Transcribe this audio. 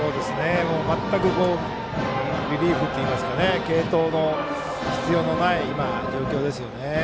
全く、リリーフというか継投の必要のない状況ですね。